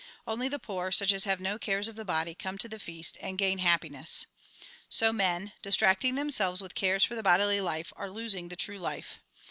Only the poor, such as have no cares of the body, come to the feast, and gain happiness. So men, distracting themselves with cares for the bodily life, are losing the true life.